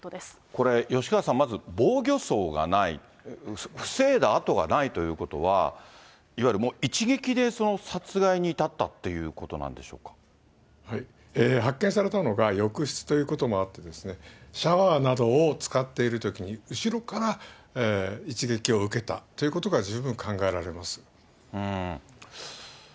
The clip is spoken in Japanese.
これ吉川さん、まず防御そうがない、防いだ痕がないということは、いわゆるもう一撃でその殺害に至っ発見されたのが浴室ということもあって、シャワーなどを使っているときに、後ろから一撃を受けたということが十分考えられます。